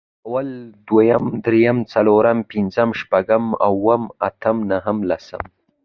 اول، دويم، درېيم، څلورم، پنځم، شپږم، اووم، اتم، نهم، لسم